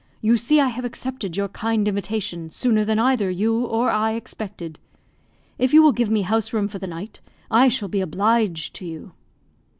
You see I have accepted your kind invitation sooner than either you or I expected. If you will give me house room for the night, I shall be obliged to you."